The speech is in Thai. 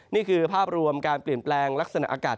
นี่คือภาพรวมการเปลี่ยนแปลงลักษณะอากาศ